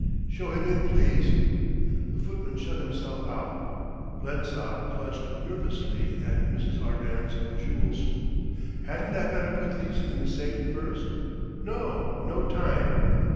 "Show him in, please." The footman shut himself out. Blensop clutched nervously at Mrs. Arden's jewels. "Hadn't I better put these in the safe first?" "No no time."